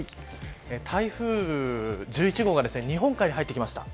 台風１１号が日本海に入ってきました。